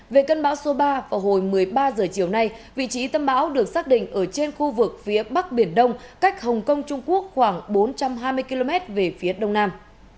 về cơn bão số ba vào hồi một mươi ba h chiều nay vị trí tâm bão được xác định ở trên khu vực phía bắc biển đông cách hồng kông trung quốc khoảng bốn trăm hai mươi km về phía đông nam